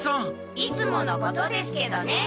いつものことですけどね。